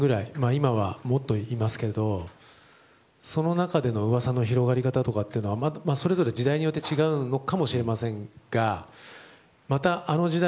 今は、もっといますけどもその中での噂の広がり方はそれぞれ時代によって違うのかもしれませんがまた、あの時代